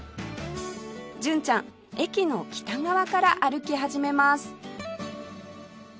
純ちゃん駅の北側から歩き始めます